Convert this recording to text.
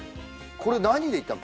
これ何で行ったの？